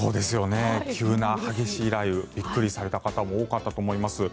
急な激しい雷雨びっくりされた方も多かったと思います。